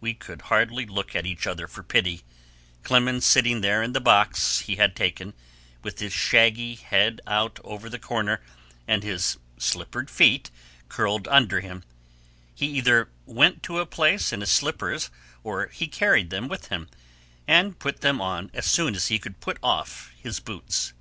We could hardly look at each other for pity, Clemens sitting there in the box he had taken, with his shaggy head out over the corner and his slippered feet curled under him: he either went to a place in his slippers or he carried them with him, and put them on as soon as he could put off his boots.